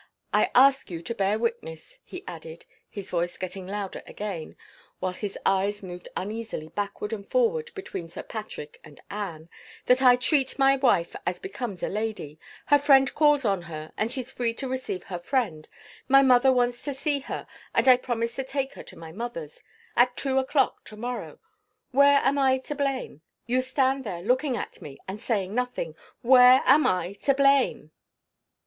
I ask you to bear witness," he added, his voice getting louder again, while his eyes moved uneasily backward and forward between Sir Patrick and Anne, "that I treat my wife as becomes a lady. Her friend calls on her and she's free to receive her friend. My mother wants to see her and I promise to take her to my mother's. At two o'clock to morrow. Where am I to blame? You stand there looking at me, and saying nothing. Where am I to blame?"